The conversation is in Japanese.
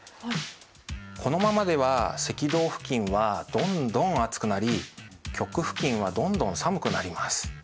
このままでは赤道付近はどんどん暑くなり極付近はどんどん寒くなります。